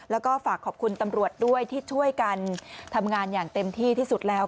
แล้วก็ฝากขอบคุณตำรวจด้วยที่ช่วยกันทำงานอย่างเต็มที่ที่สุดแล้ว